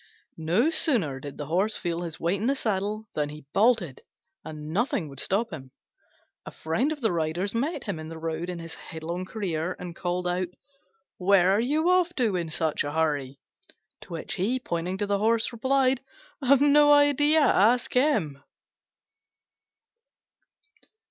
No sooner did the Horse feel his weight in the saddle than he bolted, and nothing would stop him. A friend of the Rider's met him in the road in his headlong career, and called out, "Where are you off to in such a hurry?" To which he, pointing to the Horse, replied, "I've no idea: ask him."